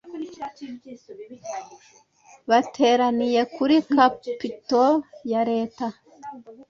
bateraniye kuri capitol ya leta.